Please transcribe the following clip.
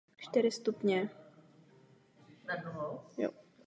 Byla česká královna a římská císařovna.